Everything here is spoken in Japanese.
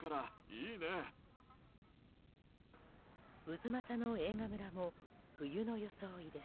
太秦の映画村も冬の装いです。